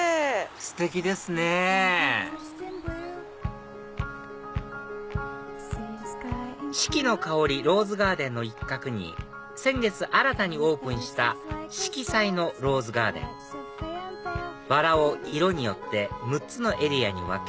ステキですね四季の香ローズガーデンの一角に先月新たにオープンした色彩のローズガーデンバラを色によって６つのエリアに分け